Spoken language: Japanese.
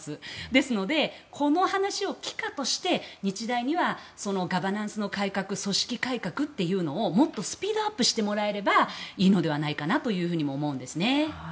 ですので、この話を幾何として日大にはガバナンスの改革、組織改革をもっとスピードアップしてもらえればいいのではないのかなと思うんですね。